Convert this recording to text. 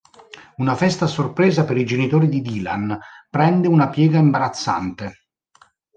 Una festa a sorpresa per i genitori di Dylan prende una piega imbarazzante.